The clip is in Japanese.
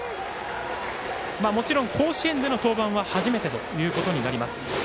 もちろん甲子園での登板は初めてとなります。